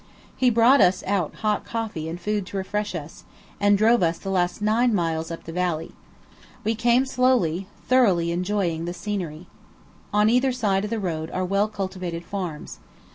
He brought us out hot coffee and food to refresh us, and drove us the last nine miles up the valley. We came slowly, thoroughly enjoying the scenery. On either side of the road are well cultivated farms.